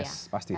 yes pasti sih